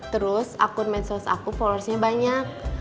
terus akun medsos aku followersnya banyak